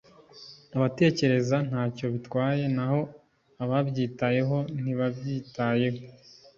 Abatekereza ntacyo bitwaye naho ababyitayeho ntibabyitayeho.”